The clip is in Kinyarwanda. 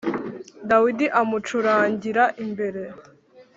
Dawidi amucurangira imbere.